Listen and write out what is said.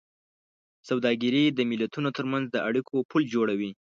سوداګري د ملتونو ترمنځ د اړیکو پُل جوړوي.